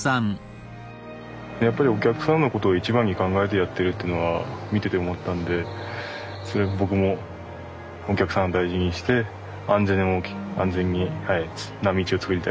やっぱりお客さんのことを一番に考えてやってるっていうのは見てて思ったんでそれで僕もお客さんを大事にして安全な道を作りたいですね。